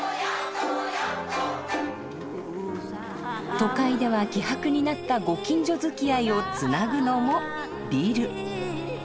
都会では希薄になったご近所づきあいをつなぐのもビル。